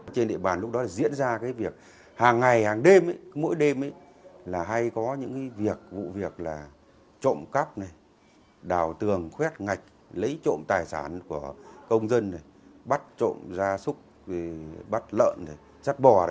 trên địa bàn lúc đó diễn ra việc hàng ngày hàng đêm mỗi đêm hay có những vụ việc trộm cắp đào tường khuét ngạch lấy trộm tài sản của công dân bắt trộm ra xúc bắt lợn sắt bò